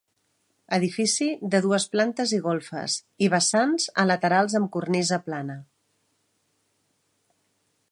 Edifici de dues plantes i golfes i vessants a laterals amb cornisa plana.